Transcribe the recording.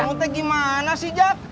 kamu teh gimana sih jack